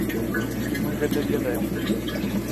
І мы гэта ведаем.